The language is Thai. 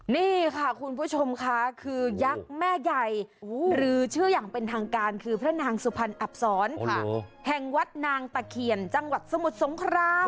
นี่ค่ะคุณผู้ชมค่ะคือยักษ์แม่ใหญ่หรือชื่ออย่างเป็นทางการคือพระนางสุพรรณอับศรแห่งวัดนางตะเคียนจังหวัดสมุทรสงคราม